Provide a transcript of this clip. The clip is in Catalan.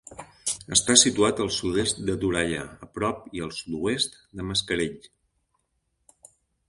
Està situat al sud-est de Toralla, a prop i al sud-oest de Mascarell.